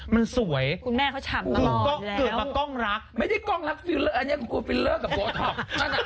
ไม่ได้กล้องรักฟิลเลอร์อันนี้ก็กล้องฟิลเลอร์กับโบท็อก